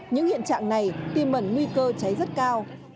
những hiện trạng này tiêm mẩn nguy cơ cháy rất cao